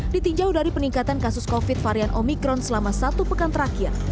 ditinjau dari peningkatan kasus covid varian omikron selama satu pekan terakhir